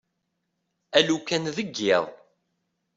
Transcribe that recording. Alukan deg yiḍ.